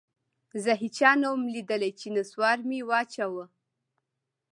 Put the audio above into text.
زه هېچا نه وم ليدلى چې نسوار مې واچاوه.